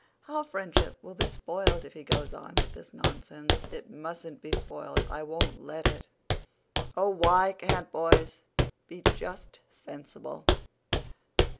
"Our friendship will be spoiled if he goes on with this nonsense. It mustn't be spoiled—I won't let it. Oh, why can't boys be just sensible!"